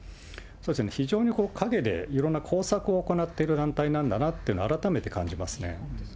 非常に陰でいろんな工作を行っている団体なんだなというのを、改めて感じますね。